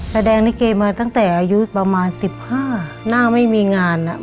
แสดงนี่เกมมาตั้งแต่อายุประมาณสิบห้าหน้าไม่มีงานอ่ะ